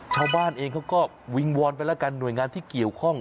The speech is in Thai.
ชาวบ้านเองเขาก็วิงวอนไปแล้วกันหน่วยงานที่เกี่ยวข้อง